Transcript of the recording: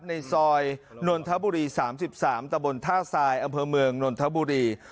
ในซอยนนทบุรี๓๓ตะบนท่าทรายอำเภอเมืองนนทบุรี